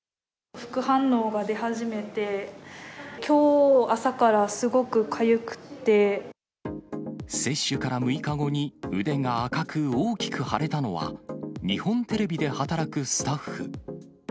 副反応が出始めて、接種から６日後に、腕が赤く大きく腫れたのは、日本テレビで働くスタッフ。